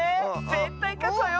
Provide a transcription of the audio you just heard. ぜったいかつわよ！